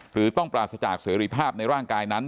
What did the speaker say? หรือต้องปราศจากเสรีภาพในร่างกายนั้น